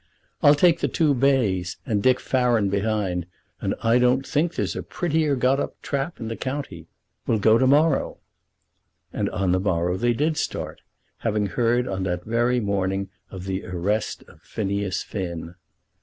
I'll take the two bays, and Dick Farren behind, and I don't think there's a prettier got up trap in the county. We'll go to morrow." And on the morrow they did start, having heard on that very morning of the arrest of Phineas Finn.